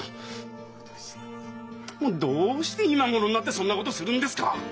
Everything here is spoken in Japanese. どうして今頃になってそんなことするんですか！？